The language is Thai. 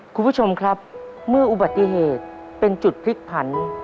คุณผู้ชมครับเมื่ออุบัติเหตุเป็นจุดพลิกผัน